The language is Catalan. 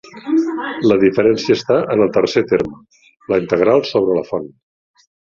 La diferència està en el tercer terme, la integral sobre la font.